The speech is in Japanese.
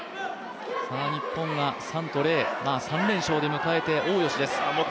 日本が３連勝で迎えて、大吉です。